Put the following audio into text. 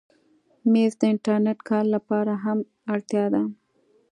مېز د انټرنېټ کار لپاره هم اړتیا ده.